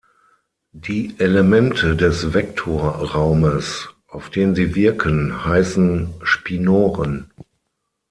Die Elemente des Vektorraumes, auf den sie wirken, heißen Spinoren.